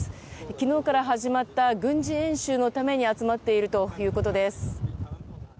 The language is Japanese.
昨日から始まった軍事演習のために集まっているということです。